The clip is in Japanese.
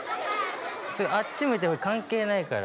それあっち向いてホイ関係ないから。